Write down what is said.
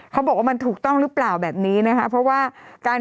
เขาบอกว่ามันถูกต้องหรือเปล่าแบบนี้นะคะเพราะว่าการ